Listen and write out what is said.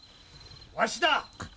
わしだ！